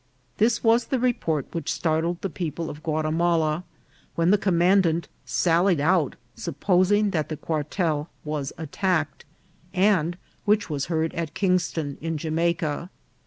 This was the report which startled the people of Guatimala, when the command ant sallied out, supposing that the quartel was attacked, and which was heard at Kingston in Jamaica.